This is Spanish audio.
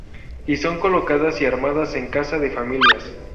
Y son colocadas y armadas en casa de familias.